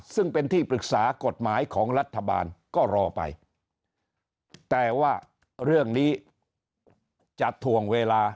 ซึ่งเป็นที่ปรึกษากฎหมายของรัฐบาลก็รอไปแต่ว่าเรื่องนี้จะถ่วงเวลา